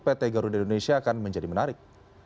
pt garuda indonesia akan menjadi menarik